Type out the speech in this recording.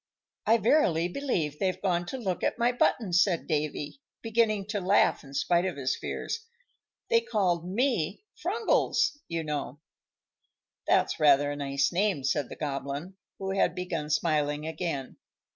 "I verily believe they're gone to look at my button," cried Davy, beginning to laugh, in spite of his fears. "They called me Frungles, you know." "That's rather a nice name," said the Goblin, who had begun smiling again.